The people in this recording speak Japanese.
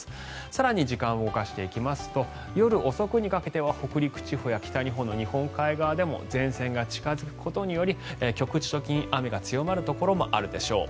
更に時間を動かしていきますと夜遅くにかけては北陸地方や北日本の日本海側でも前線が近付くことにより局地的に雨が強まるところもあるでしょう。